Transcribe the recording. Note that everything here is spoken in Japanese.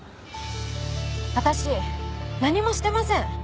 私何もしてません。